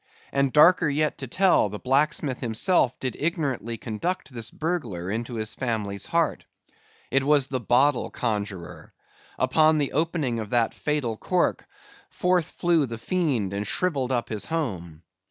And darker yet to tell, the blacksmith himself did ignorantly conduct this burglar into his family's heart. It was the Bottle Conjuror! Upon the opening of that fatal cork, forth flew the fiend, and shrivelled up his home.